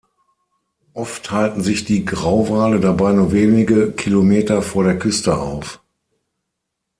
Oft halten sich die Grauwale dabei nur wenige Kilometer vor der Küste auf.